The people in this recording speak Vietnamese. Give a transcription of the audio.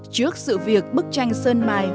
trước sự việc bức tranh sân mai